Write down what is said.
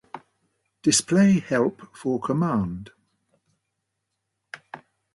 display help for command